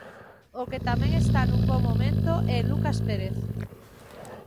O que tamén está nun bo momento é Lucas Pérez.